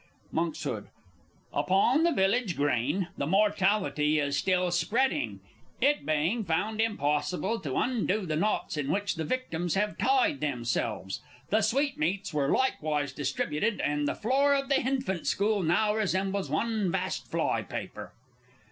Monks. Upon the village green; the mortality is still spreading, it being found impossible to undo the knots in which the victims have tied themselves. The sweetmeats were likewise distributed, and the floor of the hinfant school now resembles one vast fly paper.